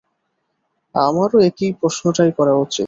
আমারো একই প্রশ্নটাই করা উচিত।